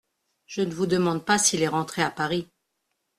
Je ne vous demande pas s’il est rentré à Paris.